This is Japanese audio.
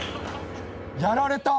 やられた！